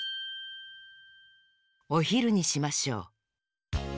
おひるにしましょう。